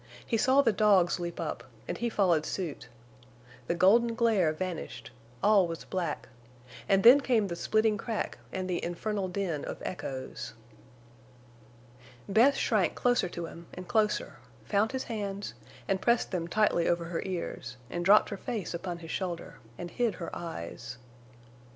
He saw the dogs leap up, and he followed suit. The golden glare vanished; all was black; then came the splitting crack and the infernal din of echoes. Bess shrank closer to him and closer, found his hands, and pressed them tightly over her ears, and dropped her face upon his shoulder, and hid her eyes.